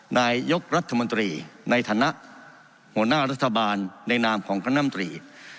นายกรัฐมนตรีในฐานะหัวหน้ารัฐบาลในนามของคณะมตรี